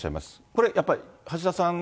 これやっぱり、橋田さん